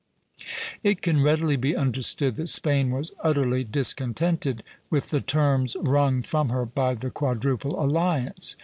It can readily be understood that Spain was utterly discontented with the terms wrung from her by the Quadruple Alliance.